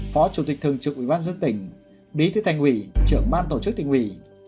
phó chủ tịch thường trực ủy ban dân tỉnh bí thứ thành hủy trưởng ban tổ chức tỉnh hủy